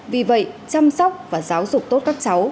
vì vậy chăm sóc và giáo dục tốt các cháu